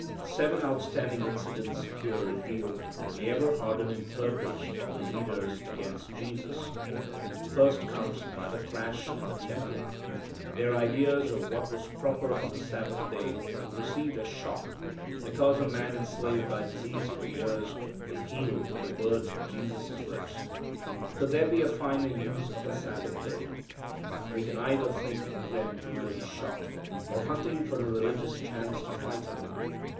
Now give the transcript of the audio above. Seven outstanding incidents here reveal the ever hardening purpose of the leaders against Jesus. First comes another clash in the temple. Their ideas of what was proper on the Sabbath day receive a shock because a man enslaved by disease for years was healed with a word from Jesus' lips. Could there be a finer use of a Sabbath day! We can either think them really shocked, or hunting for a religious chance to fight Him.